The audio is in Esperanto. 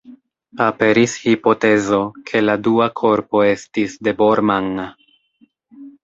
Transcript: Aperis hipotezo, ke la dua korpo estis de Bormann.